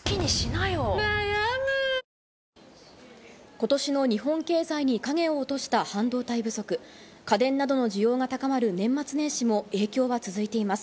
今年の日本経済に影を落とした半導体不足、家電などの需要が高まる年末年始も影響が続いています。